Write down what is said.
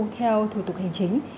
theo thủ tục hành chính